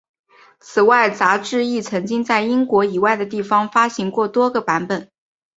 此外杂志亦曾经在英国以外的地方发行过多个版本。